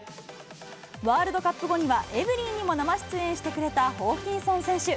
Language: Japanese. ワールドカップ後には、エブリィにも生出演してくれたホーキンソン選手。